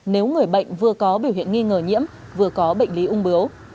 nếu người bệnh vừa có biểu hiện nghi ngờ nhiễm vừa có bệnh lý ung bướu